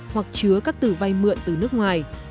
hoặc chứa các từ vay mượn từ nước ngoài